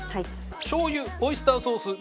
しょう油オイスターソースみりん